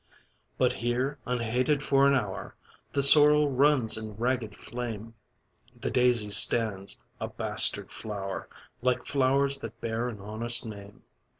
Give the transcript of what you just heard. But here, unhated for an hour, The sorrel runs in ragged flame, The daisy stands, a bastard flower, Like flowers that bear an honest name.